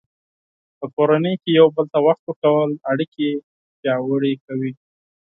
په کورنۍ کې یو بل ته وخت ورکول اړیکې پیاوړې کوي.